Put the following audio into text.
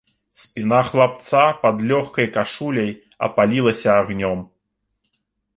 Спіна хлапца пад лёгкай кашуляй апалілася агнём.